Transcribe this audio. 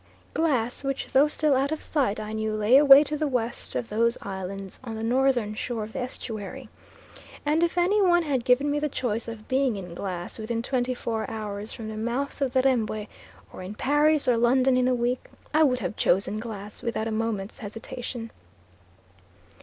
Glass, which though still out of sight, I knew lay away to the west of those islands on the northern shore of the estuary. And if any one had given me the choice of being in Glass within twenty four hours from the mouth of the Rembwe, or in Paris or London in a week, I would have chosen Glass without a moment's hesitation.